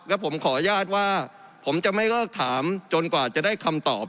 แล้วผมขออนุญาตว่าผมจะไม่เลิกถามจนกว่าจะได้คำตอบ